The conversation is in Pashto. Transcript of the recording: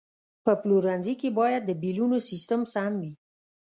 په پلورنځي کې باید د بیلونو سیستم سم وي.